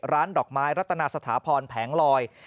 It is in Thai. ร้านดอกไม้รัตนาสถาพรแผงลอย